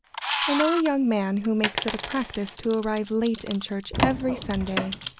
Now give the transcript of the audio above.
] I know a young man who makes it a practice to arrive late in church every Sunday.